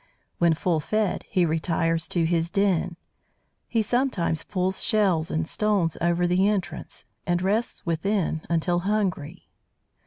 When full fed, he retires to his den; he sometimes pulls shells and stones over the entrance, and rests within until hungry.